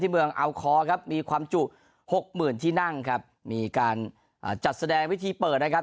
เมืองอัลคอครับมีความจุหกหมื่นที่นั่งครับมีการจัดแสดงวิธีเปิดนะครับ